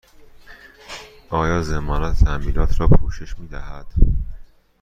آیا ضمانت تعمیرات را پوشش می دهد؟